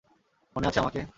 মনে আছে আমাকে?